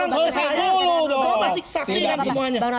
kamu masih saksi kan semuanya